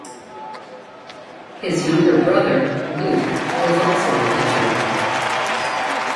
His younger brother, Luke, was also a pitcher.